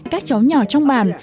các cháu nhỏ trong bản